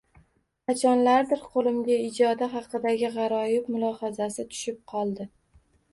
Qachonlardir qo’limga ijodi haqidagi g’aroyib mulohazasi tushib qoldi.